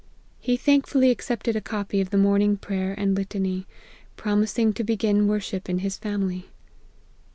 He thankful ly accepted a copy of the morning prayer and litany, promising to begin worship in his family.